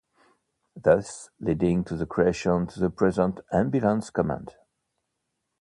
Thus, leading to the creation to the present Ambulance Command.